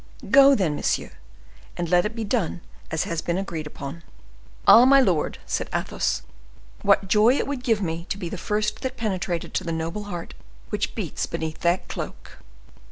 Go, then, monsieur, and let it be done as has been agreed upon." "Ah, my lord," said Athos, "what joy it would give me to be the first that penetrated to the noble heart which beats beneath that cloak!"